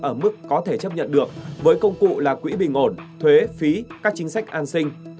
ở mức có thể chấp nhận được với công cụ là quỹ bình ổn thuế phí các chính sách an sinh